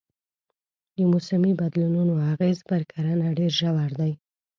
د موسمي بدلونونو اغېز پر کرنه ډېر ژور دی.